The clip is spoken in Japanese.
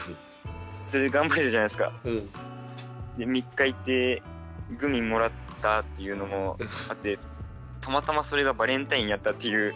で３日行ってグミもらったっていうのもあってたまたまそれがバレンタインやったっていう。